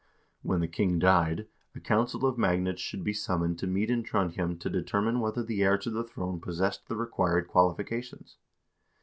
When the king died, a council of mag nates should be summoned to meet in Trondhjem to determine whether the heir to the throne possessed the required qualifications.